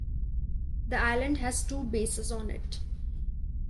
The Island has two bases on it.